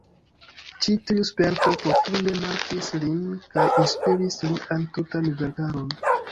Ĉi tiu sperto profunde markis lin kaj inspiris lian tutan verkaron.